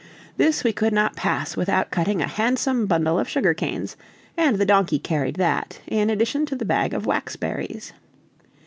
This we could not pass without cutting a handsome bundle of sugar canes, and the donkey carried that, in addition to the bag of wax berries.